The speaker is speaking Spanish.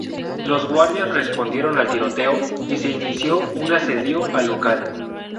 Los guardias respondieron al tiroteo y se inició un asedio al local.